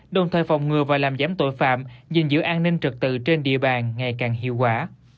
đồng thời phòng ngừa và làm giảm tội phạm nhìn giữ an ninh trực tự trên địa bàn ngày càng hiệu quả